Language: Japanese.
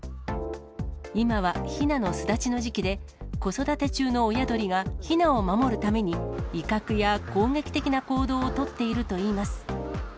今はひなの巣立ちの時期で、子育て中の親鳥がひなを守るために、威嚇や攻撃的な行動を取っているといいます。